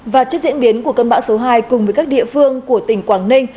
và trước diễn biến của cơn bão số hai cùng với các địa phương của tỉnh quảng ninh